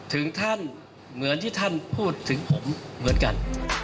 ถึงท่านเหมือนที่ท่านพูดถึงผมเหมือนกัน